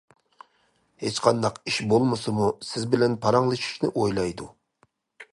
ھېچقانداق ئىش بولمىسىمۇ سىز بىلەن پاراڭلىشىشنى ئويلايدۇ.